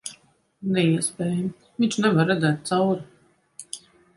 Neiespējami. Viņš nevar redzēt cauri...